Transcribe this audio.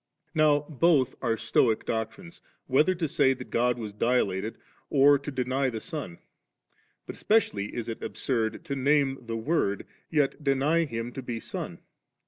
Now both are Stolen doctrines, whether to say that God was dilated or to deny the Son, but especially is it absurd to name the Word, yet deny Him to be Son.